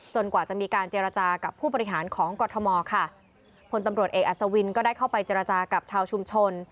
กว่าจะมีการเจรจากับผู้บริหารของกรทมค่ะผลตำรวจเอกอัศวินก็ได้เข้าไปเจรจากับชาวชุมชน